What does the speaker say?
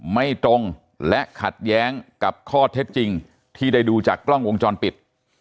ไม่ตรงและขัดแย้งกับข้อเท็จจริงที่ได้ดูจากกล้องวงจรปิด